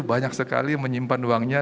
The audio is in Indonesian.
banyak sekali menyimpan uangnya